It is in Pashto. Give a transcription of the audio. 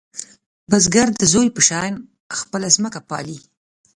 بزګر د زوی په شان ځمکه پالې